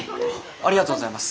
ありがとうございます。